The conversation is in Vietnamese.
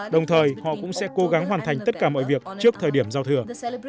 đồng thời họ cũng sẽ cố gắng hoàn thành tất cả mọi việc trước thời điểm giao thừa